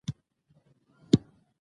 د کلي يوې تنګې کوڅې ته موټر ور ننوتلو.